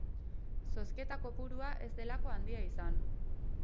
Zozketa kopurua ez delako handia izan.